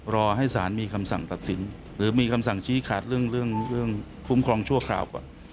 รอให้สารมีคำสั่งตัดสินหรือมีคำสั่งชี้ขาดเรื่องคุ้มครองชั่วคราวก่อน